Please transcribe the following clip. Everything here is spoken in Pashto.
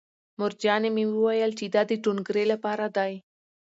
مورجانې مې وویل چې دا د ټونګرې لپاره دی